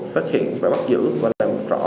phát hiện và bắt giữ và làm rõ